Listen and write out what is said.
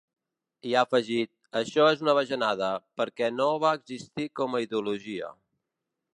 I ha afegit: Això és una bajanada, perquè no va existir com a ideologia.